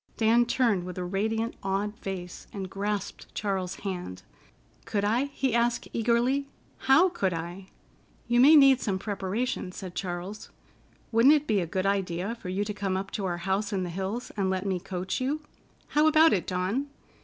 Dan turned with a radiant, awed face, and grasped Charles's hand. "Could I?" he asked eagerly. "How could I?" "You may need some preparation," said Charles. "Wouldn't it be a good idea for you to come up to our house in the hills and let me coach you? How about it, Dawn?